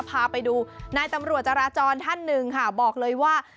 พาไปดูนายตำรวจจราจรท่านหนึ่งค่ะบอกเลยว่า